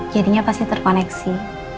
jadinya pasti terkoneksi